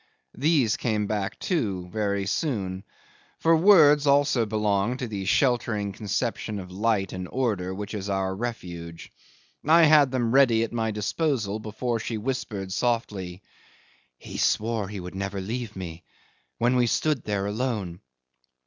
These came back, too, very soon, for words also belong to the sheltering conception of light and order which is our refuge. I had them ready at my disposal before she whispered softly, "He swore he would never leave me, when we stood there alone!